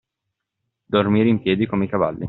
Dormire in piedi come i cavalli.